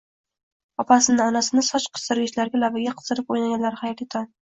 Opasini, onasini soch qistirgichlarini labiga qistirib o'ynaganlar, xayrli tong!